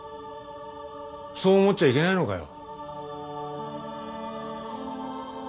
そう思っちゃいけないのかよ。